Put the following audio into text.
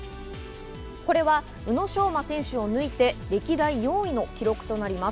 これは宇野昌磨選手を抜いて歴代４位の記録となります。